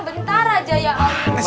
bentar aja ya allah